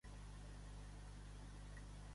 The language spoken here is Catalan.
De què s'encarregava Gai Juli Higini?